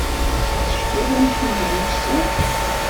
Tecfiḍ amek nemyussan?